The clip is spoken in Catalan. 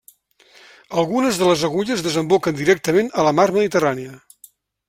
Algunes de les agulles desemboquen directament a la mar Mediterrània.